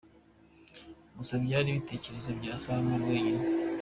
Gusa byari ibitekerezo bya Seromba wenyine.